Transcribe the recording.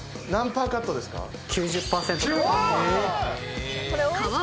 何％カットですか？